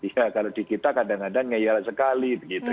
ya kalau di kita kadang kadang ngeyarat sekali